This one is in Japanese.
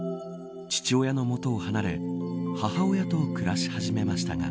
父親の元を離れ母親と暮らし始めましたが。